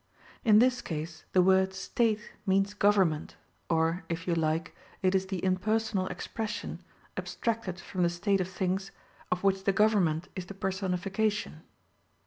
In this case the word State means government, or, if you like, it is the impersonal expression, abstracted from the state of things, of which the government is the personification.